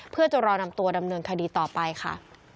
เพื่อจะรอนำตัวดำเนินคดีต่อไปค่ะ